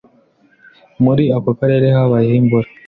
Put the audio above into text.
Muri ako karere habaye imvura.